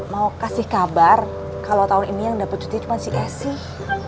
mau kasih kabar kalau tahun ini yang dapet cutinya cuma si esy